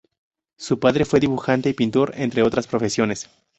Su padre fue dibujante y pintor, entre otras profesiones.